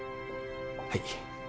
はい。